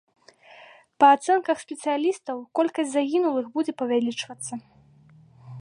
Па ацэнках спецыялістаў, колькасць загінулых будзе павялічвацца.